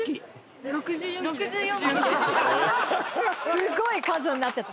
すごい数になってた。